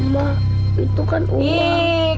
ma itu kan uang